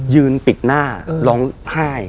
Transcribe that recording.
ยืนปิดหน้าร้องไห้